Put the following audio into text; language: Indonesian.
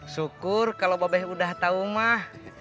syukur kalo babah udah tau mah